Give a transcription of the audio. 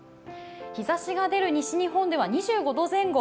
日ざしが出る西日本では２５度前後。